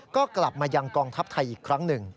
ก็กลับมายังกองทัพไทยอีกครั้งหนึ่ง